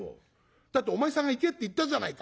「だってお前さんが行けって言ったじゃないか」。